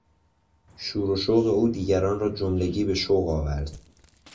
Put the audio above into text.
شور و شوق او دیگران را جملگی به شوق آورد.